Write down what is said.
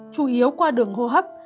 chủ yếu qua đường hô hấp